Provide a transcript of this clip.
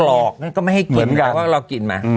ต้องกรอก